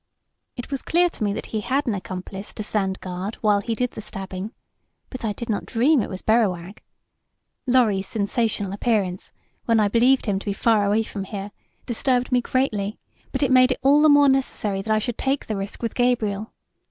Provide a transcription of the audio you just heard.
It was clear to me that he had an accomplice to stand guard while he did the stabbing, but I did not dream it was Berrowag. Lorry's sensational appearance, when I believed him to be far away from here, disturbed me greatly but it made it all the more necessary that I should take the risk with Gabriel.